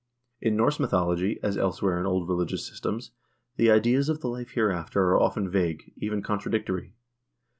1 In Norse mythology, as elsewhere in old religious systems, the ideas of the life hereafter are often vague, even contradictory.